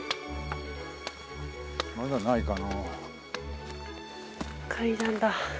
まだないかな。